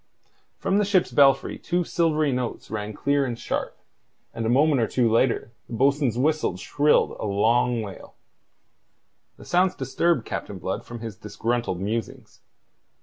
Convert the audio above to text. From the ship's belfry two silvery notes rang clear and sharp, and a moment or two later the bo'sun's whistle shrilled a long wail. The sounds disturbed Captain Blood from his disgruntled musings.